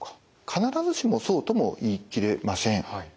必ずしもそうとも言い切れません。